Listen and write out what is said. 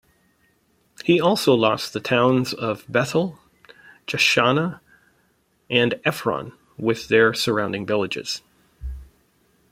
He also lost the towns of Bethel, Jeshanah, and Ephron, with their surrounding villages.